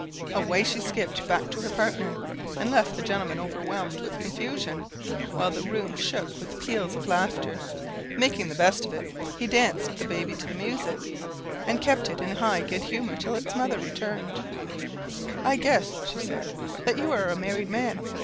Away she skipped back to her partner, and left the gentleman overwhelmed with confusion, while the room shook with peals of laughter. Making the best of it, he danced the baby to the music, and kept it in high good humour till its mother returned. "I guess," she said, "that you are a married man?"